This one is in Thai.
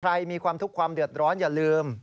มีความทุกข์ความเดือดร้อนอย่าลืม